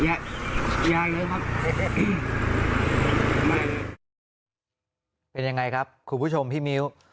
ยาหวายเลยครับไม่ไม่เป็นยังไงครับคุณผู้ชมพี่มิ๊ว